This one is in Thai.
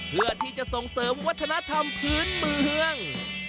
เพื่อที่จะส่งเสริมวัฒนธรรมพื้นเมือง